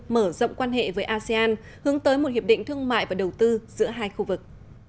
mở rộng quan hệ với asean hướng tới một hiệp định thương mại và đầu tư giữa hai khu vực